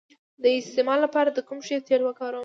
د استما لپاره د کوم شي تېل وکاروم؟